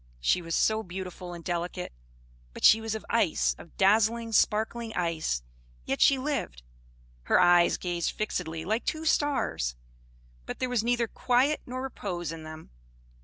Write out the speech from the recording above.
She was so beautiful and delicate, but she was of ice, of dazzling, sparkling ice; yet she lived; her eyes gazed fixedly, like two stars; but there was neither quiet nor repose in them.